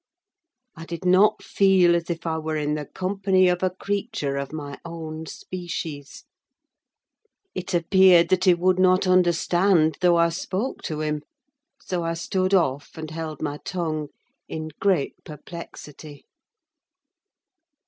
I did not feel as if I were in the company of a creature of my own species: it appeared that he would not understand, though I spoke to him; so I stood off, and held my tongue, in great perplexity.